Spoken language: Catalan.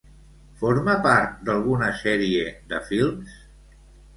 Forma part d'alguna sèrie de films?